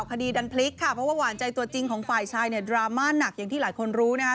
คดีดันพลิกค่ะเพราะว่าหวานใจตัวจริงของฝ่ายชายเนี่ยดราม่าหนักอย่างที่หลายคนรู้นะคะ